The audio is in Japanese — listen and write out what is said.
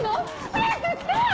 早くしてよ！